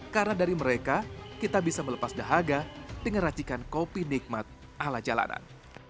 karena dari mereka kita bisa melepas dahaga dengan racikan kopi nikmat ala jalanan